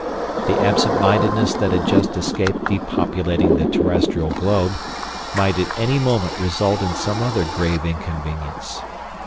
The absentmindedness that had just escaped depopulating the terrestrial globe, might at any moment result in some other grave inconvenience.